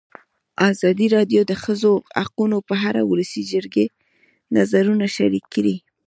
ازادي راډیو د د ښځو حقونه په اړه د ولسي جرګې نظرونه شریک کړي.